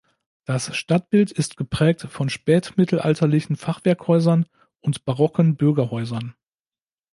Das Stadtbild ist geprägt von spätmittelalterlichen Fachwerkhäusern und barocken Bürgerhäusern.